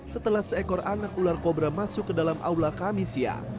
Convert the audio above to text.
setelah seekor anak ular kobra masuk ke dalam aula kamisia